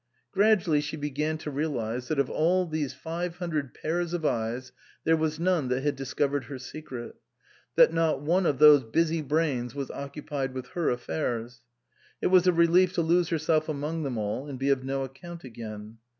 Gradually she began to realize that of all those five hundred pairs of eyes there was none that had discovered her secret ; that not one of those busy brains was occupied with her affairs. It was a relief to lose herself among them all and be of no account again.